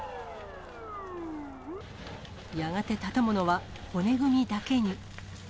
やがて建物は骨組みだけに。